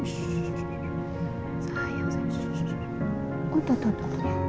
tuh tuh tuh